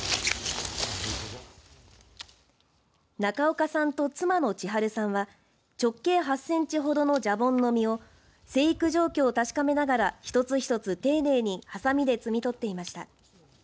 中岡さんと妻の千春さんは直径８センチほどのじゃぼんの実を生育状況を確かめながら一つ一つ丁寧にはさみで摘み取っていました。